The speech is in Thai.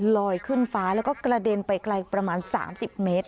ลอยขึ้นฟ้าแล้วก็กระเด็นไปไกลประมาณ๓๐เมตร